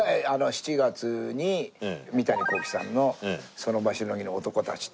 ７月に三谷幸喜さんの『その場しのぎの男たち』って。